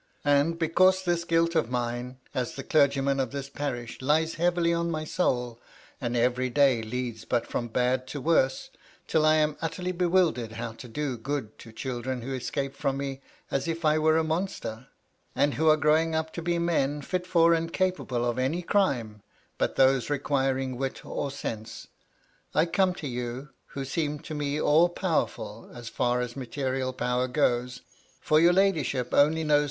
And because this guilt of mine, as the clergyman of this parish, lies heavy on my soul, and every day leads but from bad to worse, till I am utterly bewildered how to ' do good to children who escape from me as if I were a monster, and who are growing up to be men fit for and capable of any crime, but those requiring wit or sense, I come to you, who seem to me all powerful, as far as material power goes — for your ladyship only knows MY LADY LUDLOW.